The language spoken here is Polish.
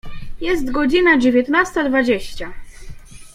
Jest godzina dziewiętnasta dwadzieścia.